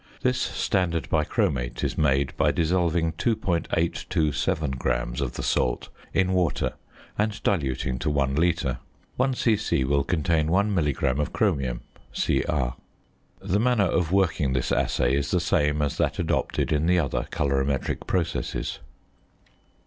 This standard bichromate is made by dissolving 2.827 grams of the salt in water and diluting to 1 litre. One c.c. will contain 1 milligram of chromium, Cr. The manner of working this assay is the same as that adopted in the other colorimetric processes.